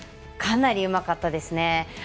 かなりうまかったですね。